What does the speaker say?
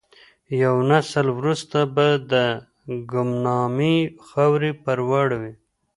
یو نسل وروسته به د ګمنامۍ خاورې پر واوړي.